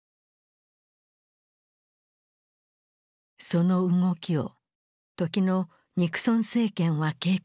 その動きを時のニクソン政権は警戒した。